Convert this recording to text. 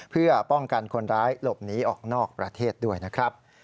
เพื่อป้องกันคนร้ายหลบหนีออกนอกประเทศด้วยนะครับ